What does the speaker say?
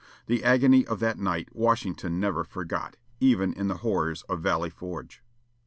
The agony of that night Washington never forgot, even in the horrors of Valley Forge.